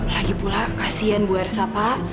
lagipula kasihan bu ersa pak